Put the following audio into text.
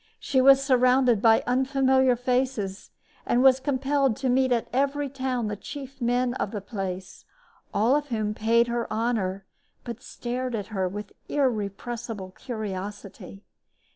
She was surrounded by unfamiliar faces and was compelled to meet at every town the chief men of the place, all of whom paid her honor, but stared at her with irrepressible curiosity.